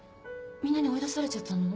みんなに追い出されちゃったの？